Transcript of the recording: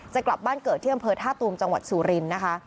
จะกลับบ้านเกิดที่อำเภอท่าตูมจังหวัดสุรินทร์นะคะ